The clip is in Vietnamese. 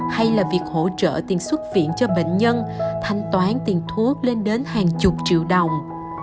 hay là việc hỗ trợ tiền xuất viện cho bệnh nhân thanh toán tiền thuốc lên đến hàng chục triệu đồng